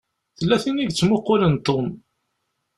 Tella tin i yettmuqqulen Tom.